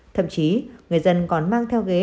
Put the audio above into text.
thậm chí người dân còn mang theo ghế